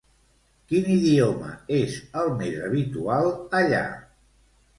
Quin idioma és el més habitual allà?